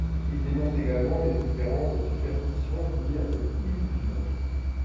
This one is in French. Il dénonce également les espérances et superstitions liées à cette illusion.